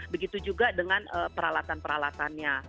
begitu juga dengan peralatan peralatannya